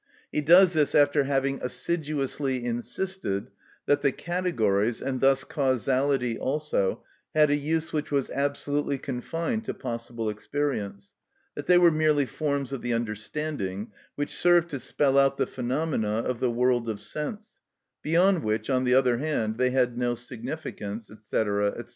He does this after having assiduously insisted that the categories, and thus causality also, had a use which was absolutely confined to possible experience; that they were merely forms of the understanding, which served to spell out the phenomena of the world of sense, beyond which, on the other hand, they had no significance, &c., &c.